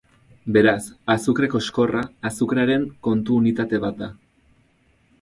Beraz, azukre-koxkorra azukrearen kontu-unitate bat da.